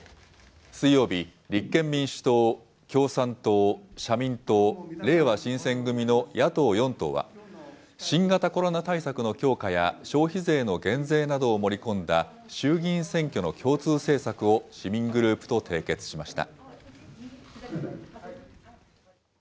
水曜日、立憲民主党、共産党、社民党、れいわ新選組の野党４党は、新型コロナ対策の強化や、消費税の減税などを盛り込んだ衆議院選挙の共通政策を市民グループと締結しました。